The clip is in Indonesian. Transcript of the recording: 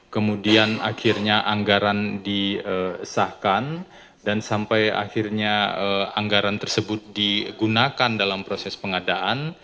kemudian akhirnya anggaran disahkan dan sampai akhirnya anggaran tersebut digunakan dalam proses pengadaan